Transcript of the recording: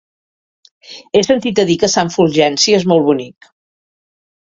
He sentit a dir que Sant Fulgenci és molt bonic.